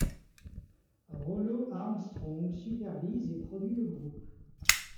Rollo Armstrong supervise et produit le groupe.